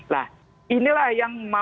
nah ini lah yang mau kita lakukan